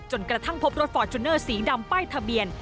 กระทั่งพบรถฟอร์จูเนอร์สีดำป้ายทะเบียน